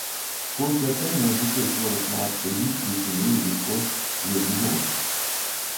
Курс лячэння ў дзяцей, хворых на рак крыві, лейкемію, лейкоз, вельмі доўгі.